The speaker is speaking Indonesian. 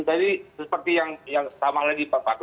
tadi seperti yang pertama lagi pak pak